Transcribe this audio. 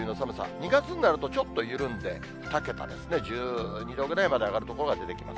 ２月になると、ちょっと緩んで、２桁ですね、１２度ぐらいまで上がる所が出てきます。